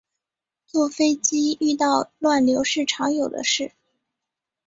坐飞机遇到乱流是常有的事